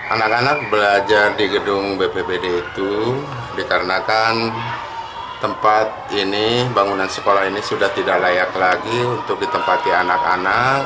anak anak belajar di gedung bpbd itu dikarenakan tempat ini bangunan sekolah ini sudah tidak layak lagi untuk ditempati anak anak